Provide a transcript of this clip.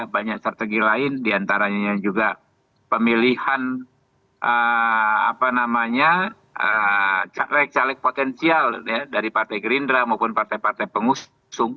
banyak strategi lain diantaranya juga pemilihan caleg caleg potensial dari partai gerindra maupun partai partai pengusung